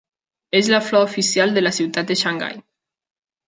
És la flor oficial de la ciutat de Xangai.